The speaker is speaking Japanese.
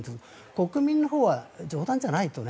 国民のほうは冗談じゃないと。